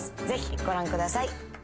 ぜひご覧ください。